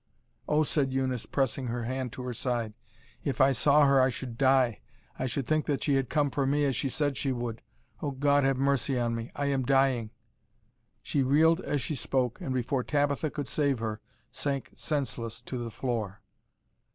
"Oh!" said Eunice, pressing her hand to her side, "if I saw her I should die. I should think that she had come for me as she said she would. O God! have mercy on me, I am dying." She reeled as she spoke, and before Tabitha could save her, sank senseless to the floor.